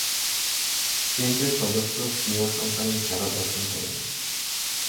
কেন্টের সদস্য স্বীয় সন্তানের খেলা দর্শন করেন।